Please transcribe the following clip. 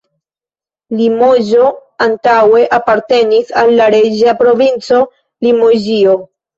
Limoĝo antaŭe apartenis al la reĝa provinco Limoĝio.